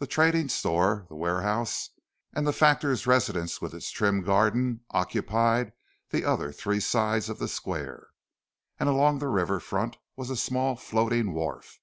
The trading store, the warehouse, and the factor's residence with its trim garden, occupied the other three sides of the square, and along the river front was a small floating wharf.